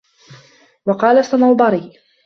وَقَالَ الصَّنَوْبَرِيُّ